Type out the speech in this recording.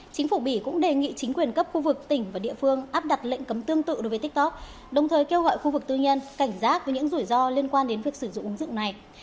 chính phủ bỉ cũng đề nghị chính quyền cấp khu vực tỉnh và địa phương áp đặt lệnh cấm tương tự đối với tiktok đồng thời kêu gọi khu vực tư nhân cảnh giác với những rủi ro liên quan đến việc sử dụng ứng dụng này